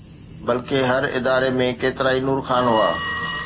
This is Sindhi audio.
بلڪه هر اداري ۾ ڪيترائي نور خان هئا.